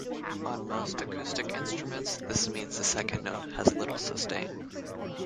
On most acoustic instruments, this means the second note has little sustain.